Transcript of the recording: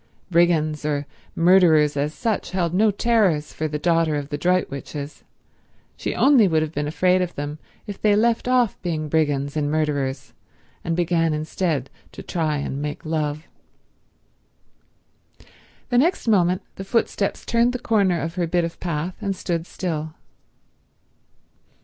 Brigands or murderers as such held no terrors for the daughter of the Droitwiches; she only would have been afraid of them if they left off being brigands and murderers and began instead to try and make love. The next moment the footsteps turned the corner of her bit of path, and stood still.